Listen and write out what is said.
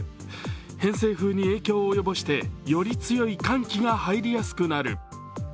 偏西風に影響を及ぼしてより強い寒気が入りやすくなる。